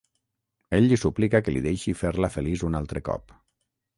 "Ell li suplica que li deixi fer-la feliç un altre cop."